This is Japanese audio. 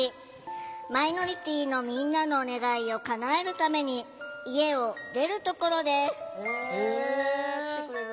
マイノリティーのみんなの願いをかなえるために家を出るところです。